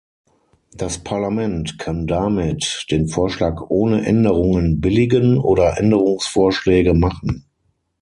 Das Parlament kann damit den Vorschlag ohne Änderungen billigen oder Änderungsvorschläge machen.